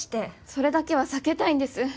それだけは避けたいんです。